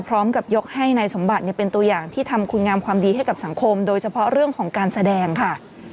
พร้อมกับยกให้นายสมบัติเป็นตัวอย่างที่ทำคุณงามความดีให้กับสังคมโดยเฉพาะเรื่องของการแสดงค่ะ